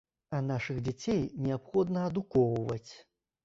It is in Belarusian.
А нашых дзяцей неабходна адукоўваць.